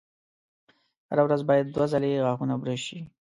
هره ورځ باید دوه ځلې غاښونه برش شي.